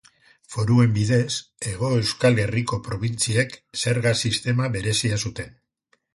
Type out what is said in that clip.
Foruen bidez, Hego Euskal Herriko probintziek zerga sistema berezia zuten.